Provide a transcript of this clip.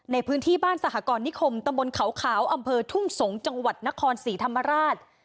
ในพื้นที่บ้านสหกรณิคมตำบลเขาขาวอำเภอทุ่งสงศ์จังหวัดนครศรีธรรมราช